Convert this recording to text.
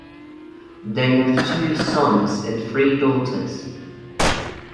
They have two sons and three daughters.